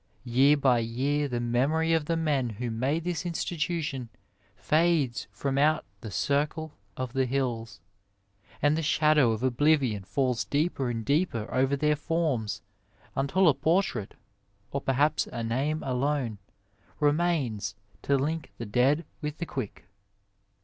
Year by year the memory of the men who made this institution fades from out the circle of the hills, and the shadow of oblivion falls deeper and deeper over their forms, until a portrait, or perhaps a name alone, remains to link the dead with the quick.